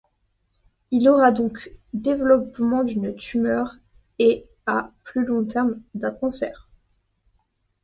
Il y aura donc développement d’une tumeur et à plus long terme, d’un cancer.